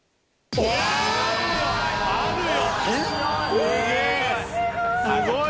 えすごい！